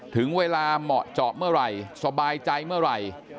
ถึงเวลาเหมาะเจาะเมื่อไหร่สบายใจเมื่อไหร่